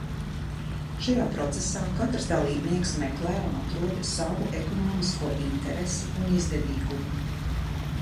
Šajā procesā katrs dalībnieks meklē un atrod savu ekonomisko interesi un izdevīgumu.